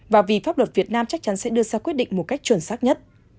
và vì pháp luật việt nam chắc chắn sẽ đưa ra quyết định một cách chuẩn xác nhất